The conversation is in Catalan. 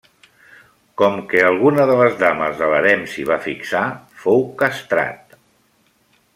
Com que alguna de les dames de l'harem s'hi va fixar, fou castrat.